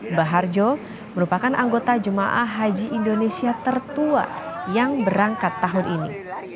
mbah harjo merupakan anggota jemaah haji indonesia tertua yang berangkat tahun ini